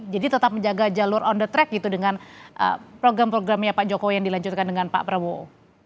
jadi tetap menjaga jalur on the track gitu dengan program programnya pak jokowi yang dilanjutkan dengan pak prabowo